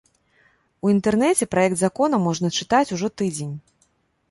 У інтэрнэце праект закона можна чытаць ужо тыдзень.